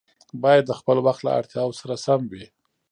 باید د خپل وخت له اړتیاوو سره سم وي.